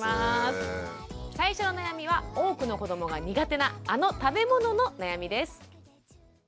最初の悩みは多くの子どもが苦手なあの食べ物の悩みです。